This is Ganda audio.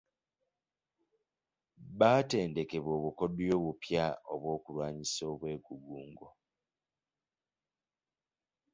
Baatendekebwa obukodyo obupya obw'okulwanyisa obwegugungo